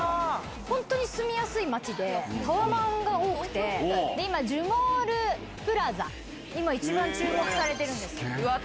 本当に住みやすい街でタワマンが多くてで樹モールプラザが今一番注目されてるんです。